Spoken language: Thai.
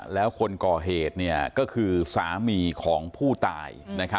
แล้วคนก่อเหตุก็คือสามีของผู้ตาย